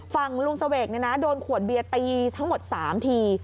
ฝั่งลุงเสวกโดนขวดเบียร์ตีทั้งหมด๓ที